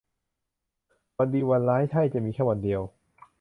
วันดีวันร้ายใช่จะมีแค่วันเดียว